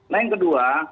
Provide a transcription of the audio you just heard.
nah yang kedua